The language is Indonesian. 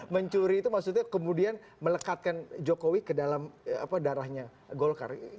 mencuri itu maksudnya kemudian melekatkan jokowi ke dalam darahnya golkar